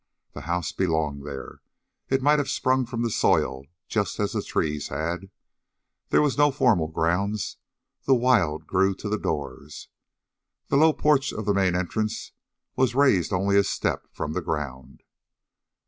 The house belonged there. It might have sprung from the soil just as the trees had. There were no formal grounds. The wild grew to the doors. The low porch of the main entrance was raised only a step from the ground.